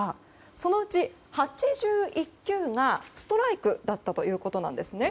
そのうち、８１球がストライクだったということなんです。